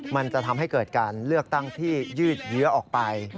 มันจะทำให้เกิดการเลือกตั้งที่ยืดเยื้อออกไป